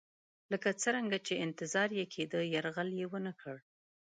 لکه څرنګه چې انتظار یې کېدی یرغل ونه کړ.